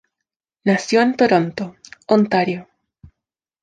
Nació en Toronto, Ontario.